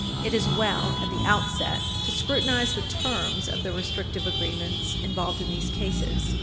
It is well, at the outset, to scrutinize the terms of the restrictive agreements involved in these cases.